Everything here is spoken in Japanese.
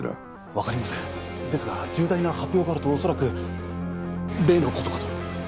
わかりませんですが重大な発表があると恐らく例のことかと。